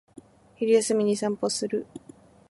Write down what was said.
昼休みに散歩する